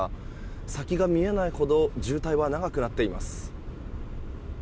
先が見えないほど渋滞は長くなっています。